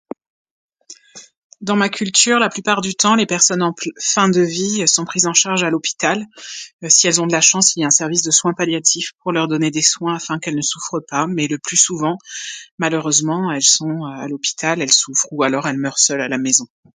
Dans ma culture, la plupart du temps, les personnes en fin de vie sont prises en charge à l'hôpital, mais si elles ont de la chance, il y a un service de soins palliatifs pour leur donner des soins afin qu'elles ne souffrent pas mais le plus souvent, malheureusement, elles sont à l'hôpital, elles souffrent ou alors elles meurent seules à la maison